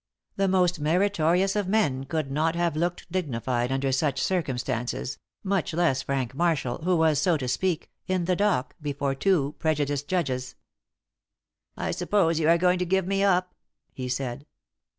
The most meritorious of men could not have looked dignified under such circumstances, much less Frank Marshall, who was so to speak, in the dock before two prejudiced judges. "I suppose you are going to give me up?" he said.